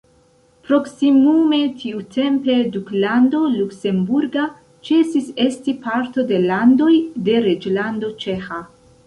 Proksimume tiutempe Duklando luksemburga ĉesis esti parto de landoj de Reĝlando ĉeĥa.